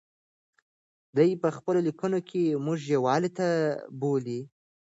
دی په خپلو لیکنو کې موږ یووالي ته بولي.